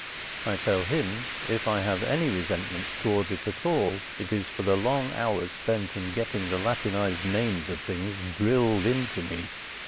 I tell him if I have any resentments toward it at all it is for the long hours spent in getting the latinized names of things drilled into me.